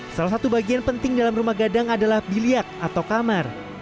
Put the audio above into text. salah satu bagian penting dalam rumah gadang adalah biliak atau kamar